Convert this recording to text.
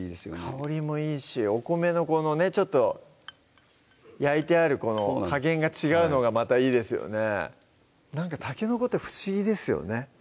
香りもいいしお米のちょっと焼いてある加減が違うのがまたいいですよねなんかたけのこって不思議ですよね